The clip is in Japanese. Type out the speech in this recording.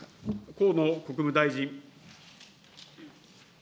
河野国務大臣。